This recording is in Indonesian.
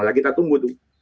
nah kita tunggu tuh